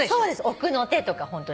奥の手とかホントに。